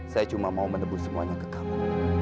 saya cuma mau menebus semuanya ke kamu